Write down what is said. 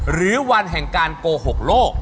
หรือวันแห่งการโกหกโลก